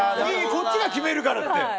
こっちが決めるからって。